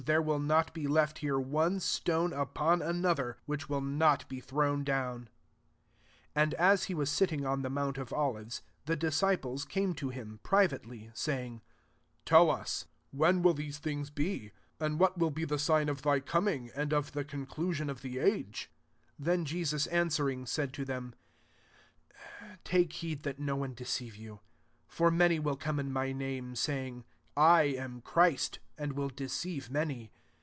There will not be left here, one stone upon another, which will not be thrown down.'' 3 And as he ws(s sitting on the mount of Olives, the disci ples came to him, privately, saying, " Tell us, when wHl >■* Or. <* yoar house b left to yoQ dtiofaite.'' 6% MATTHEW XXIV. these things be ? and what will be the sign of thy coming, and of the conclusion of the age ?" 4 Then Jesus answering, said to them, "Take heed that no one deceive you. 5 For many will come in my name, saying, < I am Christ ;' and will deceive many.